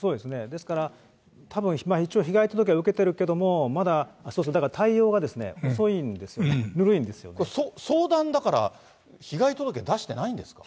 ですから、たぶん、一応被害届を受けてるけど、まだ対応が遅いんですよね、これ、相談だから、被害届出してないんですか？